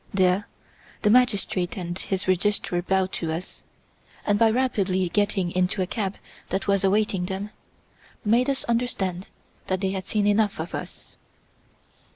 There, the magistrate and his Registrar bowed to us, and by rapidly getting into a cab that was awaiting them, made us understand that they had seen enough of us.